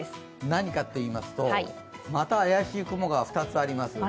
何かっていいますとまた怪しい雲が２つあります。